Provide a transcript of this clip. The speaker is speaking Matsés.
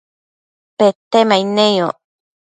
Petemaid neyoc